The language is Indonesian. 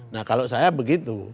nah kalau saya begitu